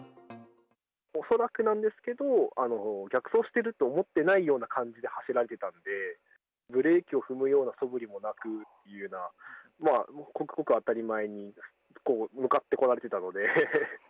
恐らくなんですけど、逆走していると思ってないような感じで走られてたんで、ブレーキを踏むようなそぶりもなく、まあごくごく当たり前に、向かってこられてたので。